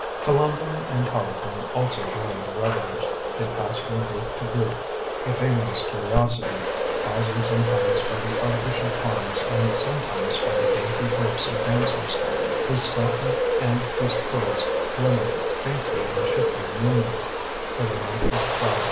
Columbine and Harlequin also joined the revellers. They passed from group to group, with aimless curiosity, pausing sometimes by the artificial ponds and sometimes by the dainty groups of dancers, whose satin and whose pearls glimmered faintly in the shifting moonlight, for the night was cloudy.